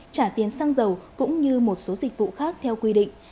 trả tiền xăng dầu cũng như một số dịch vụ khác theo quy định